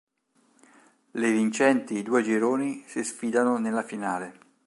Le vincenti i due gironi si sfidarono nella finale.